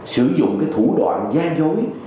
sử dụng thủ đoạn gian dối